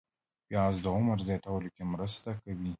پیاز د عمر زیاتولو کې مرسته کوي